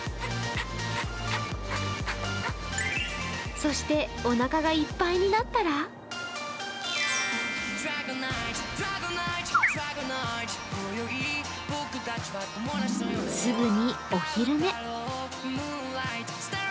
そしておなかがいっぱいになったらすぐにお昼寝。